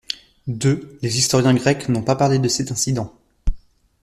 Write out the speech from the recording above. deux Les historiens grecs n'ont pas parlé de cet incident.